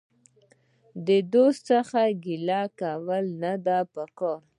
د دوست څخه ګيله کول نه دي په کار.